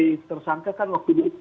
tetapi sebagai tersangka kan waktu ini